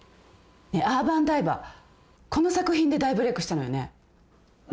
『アーバン・ダイバー』この作品で大ブレークしたのよね。